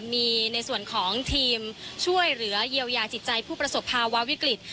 มีในส่วนของทีมช่วยเหลือเยียวยาจิตใจผู้ประสบภาวะวิกฤต